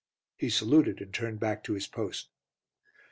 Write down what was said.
He saluted, and turned back to his post.